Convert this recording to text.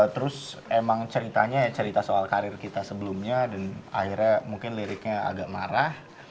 terus emang ceritanya cerita soal karir kita sebelumnya dan akhirnya mungkin liriknya agak marah